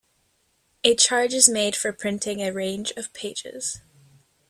A charge is made for printing a range of pages.